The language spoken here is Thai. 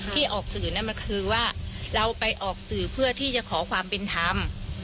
ที่ออกสื่อนั่นมันคือว่าเราไปออกสื่อเพื่อที่จะขอความเป็นธรรม